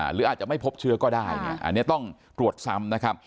หรืออาจจะไม่พบเชื้อก็ได้เนี่ยอันนี้ต้องตรวจซ้ำนะครับ